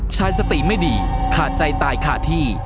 ชายสติไม่ดีขาดใจตายขาดที่